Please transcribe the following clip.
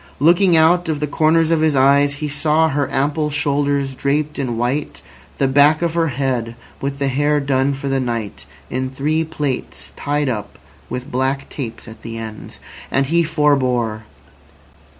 Looking out of the corners of his eyes, he saw her ample shoulders draped in white, the back of her head, with the hair done for the night in three plaits tied up with black tapes at the ends. And he forbore.